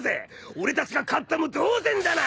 俺たちが勝ったも同然だな！